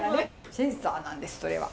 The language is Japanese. チェイサーなんですそれは。